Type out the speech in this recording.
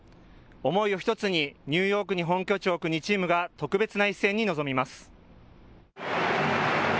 思いを１つに、ニューヨークに本拠地を置く２チームが特別な１戦に臨みます。